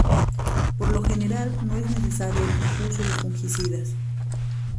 Por lo general no es necesario el uso de fungicidas.